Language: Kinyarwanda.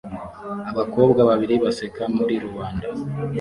Abakobwa babiri baseka muri rubanda